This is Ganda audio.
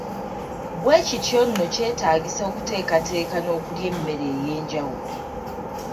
Bwe kityo nno kyetaagisa okuteekateeka n’okulya emmere ey’enjawulo.